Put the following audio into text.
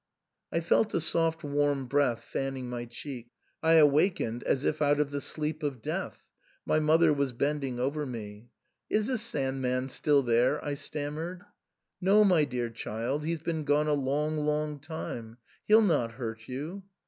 I felt a soft warm breath fanning my cheek ; I awak ened as if out of the sleep of death ; my mother was bending over me. " Is the Sand man still there ?" I stammered. "No, my dear child; he's been gone a long, long time ; he'll not hurt you."